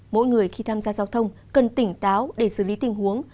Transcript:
mỗi người khi tham gia giao thông cần tỉnh táo để xử lý tình huống